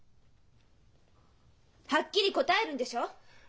はっきり答えるんでしょう？